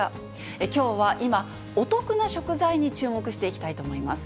きょうは今、お得な食材に注目していきたいと思います。